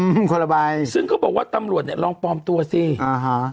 อืมคนละใบซึ่งเขาบอกว่าตำรวจเนี้ยลองปลอมตัวสิอ่าฮะ